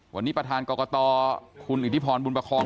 วันนี้ประธานกรกตคุณอิทธิพรบุญประคอง